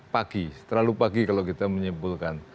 pagi terlalu pagi kalau kita menyimpulkan